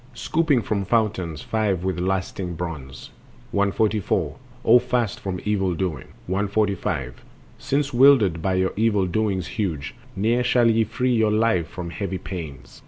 Scooping from fountains five with lasting bronze. 144. O fast from evil doing. 145. Since wildered by your evil doings huge, Ne'er shall ye free your life from heavy pains.